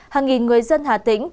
hàng nghìn người dân hà tĩnh